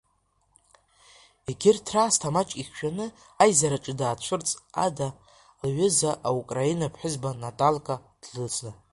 Егьырҭ раасҭа маҷк ихьшәаны аизараҿы даацәырҵт Ада, лҩыза, аукраин ԥҳәызба Наталка длыцны.